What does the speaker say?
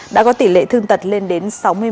đã có tỷ lệ thương tật lên đến sáu mươi